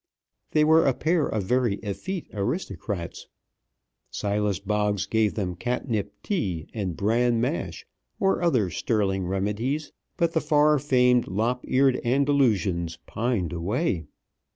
They were a pair of very effete aristocrats. Silas Boggs gave them catnip tea and bran mash, or other sterling remedies; but the far famed lop eared Andalusians pined away.